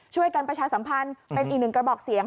ช่วยกันประชาสัมพันธ์เป็นอีกหนึ่งกระบอกเสียง